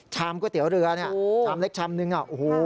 ก๋วยเตี๋ยวเรือเนี่ยชามเล็กชามนึงอ่ะโอ้โห